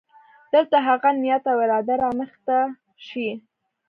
دلته هغه نیت او اراده رامخې ته شي.